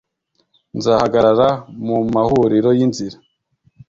nzahagarara mumahuriro y’inzira